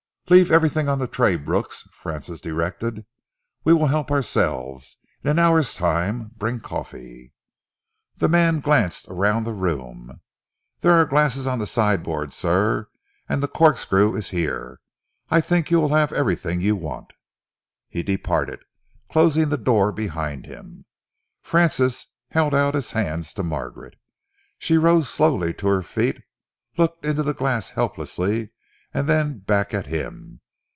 "Leave everything on the tray, Brooks," Francis directed. "We will help ourselves. In an hour's time bring coffee." The man glanced around the room. "There are glasses on the sideboard, sir, and the corkscrew is here. I think you will have everything you want." He departed, closing the door behind him. Francis held out his hands to Margaret. She rose slowly to her feet, looked in the glass helplessly and then back at him.